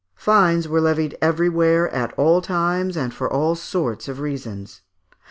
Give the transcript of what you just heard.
] Fines were levied everywhere, at all times, and for all sorts of reasons.